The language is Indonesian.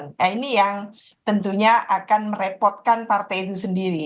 nah ini yang tentunya akan merepotkan partai itu sendiri